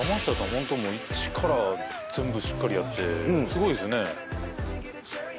ホントもうイチから全部しっかりやってすごいですよね